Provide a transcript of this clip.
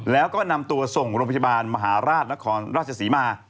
แล้วก็นำตัวส่งโรงพยาบาลมหาราชนครราชศรีมา